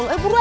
eh buru aja